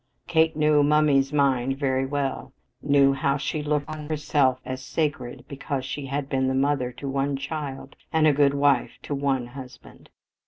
Kate knew "mummy's" mind very well knew how she looked on herself as sacred because she had been the mother to one child and a good wife to one husband.